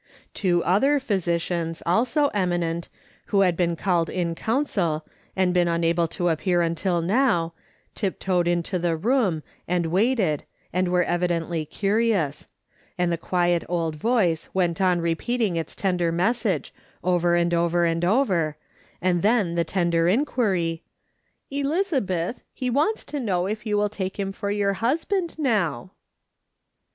Two other physicians, also eminent, who had been called in council, and been unable to appear until now, tiptoed into the room, and waited, and were evidently curious ; and the quiet old voice went on repeating its tender message, over and over and over, and then the tender inquiry :" Elizabeth, he wants to know if you will take him for your husband now